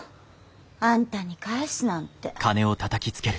あんたに返すなんて。